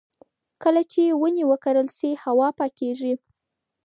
کله چې ونې وکرل شي، هوا پاکېږي.